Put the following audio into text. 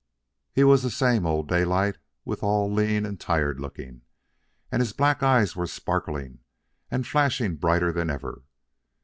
He was the same old Daylight, withal lean and tired looking, and his black eyes were sparkling and flashing brighter than ever.